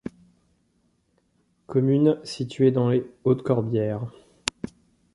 Commune située dans les Hautes-Corbières.